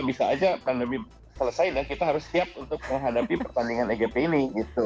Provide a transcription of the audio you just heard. bisa aja pandemi selesai dan kita harus siap untuk menghadapi pertandingan egp ini gitu